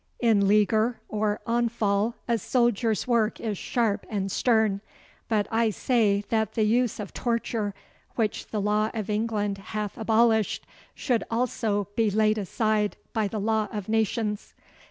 In leaguer or onfall a soldier's work is sharp and stern, but I say that the use of torture, which the law of England hath abolished, should also be laid aside by the law of nations.